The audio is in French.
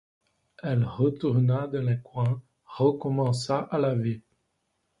Elle retourna dans le coin, recommença à laver.